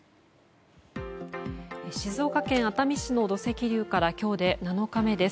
静岡県熱海市の土石流から今日で７日目です。